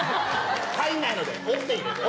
入んないので、折って入れる。